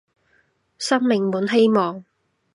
生命滿希望